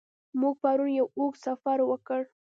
موږ پرون یو اوږد سفر وکړ.